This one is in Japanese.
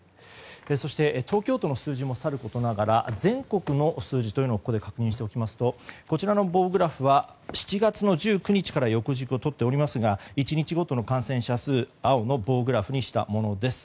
そして東京都の数字もさることながら全国の数字もここで確認しておきますとこちらの棒グラフは７月１９日から横軸をとっていますが１日ごとの感染者数青の棒グラフにしたものです。